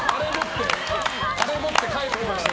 あれ持って帰っていきました。